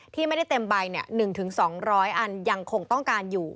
ที่ไม่ได้เต็มใบ๑๒๐๐อันยังคงต้องการอยู่